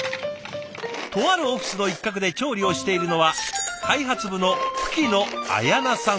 とあるオフィスの一角で調理をしているのは開発部の吹野亜彌那さん３７歳。